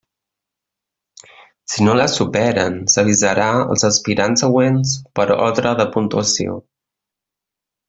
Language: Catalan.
Si no les superen, s'avisarà els aspirants següents per ordre de puntuació.